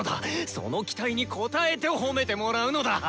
その期待に応えてホメてもらうのだ！